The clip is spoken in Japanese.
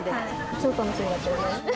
超楽しみだった。